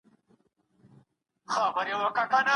چي په ژوند کي یې په خوب نه وو لیدلی